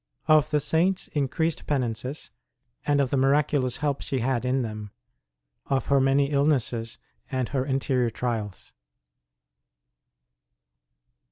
OF THE SAINT S INCREASED PENANCES, AND OF THE MIRACULOUS HELP SHE HAD IN THEM ; OF HER MANY ILLNESSES AND HER INTERIOR TRIALS.